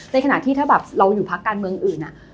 ขณะที่ถ้าแบบเราอยู่พักการเมืองอื่น